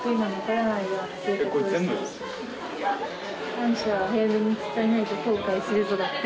「感謝は早めに伝えないと後悔するぞ」だって。